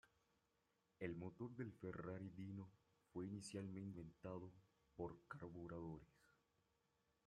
El motor del Ferrari Dino fue inicialmente alimentado por carburadores.